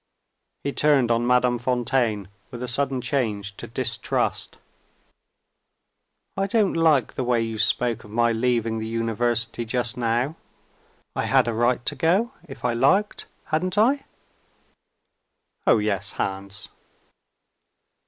He turned on Madame Fontaine, with a sudden change to distrust. "I don't like the way you spoke of my leaving the University, just now. I had a right to go, if I liked hadn't I?" "Oh, yes, Hans."